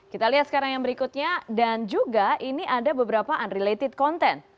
kita lihat sekarang yang berikutnya dan juga ini ada beberapa unrelated content